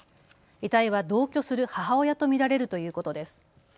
遺体は同居する母親と見られるということです。